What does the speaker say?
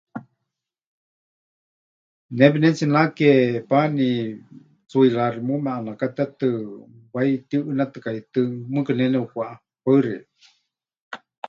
Ne pɨnetsinake pani, tsuiraáxi muume ʼanakatetɨ, wai tiuʼɨnetɨkaitɨ́, mɨɨkɨ ne nepɨkwáʼa. Paɨ xeikɨ́a.